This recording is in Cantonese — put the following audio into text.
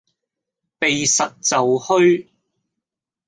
避實就虛